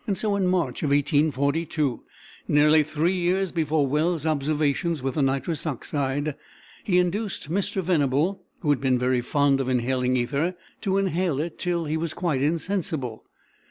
So, in March, 1842, nearly three years before Wells's observations with the nitrous oxide, he induced Mr. Venable, who had been very fond of inhaling ether, to inhale it till he was quite insensible.